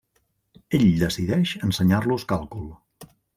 Ell decideix ensenyar-los càlcul.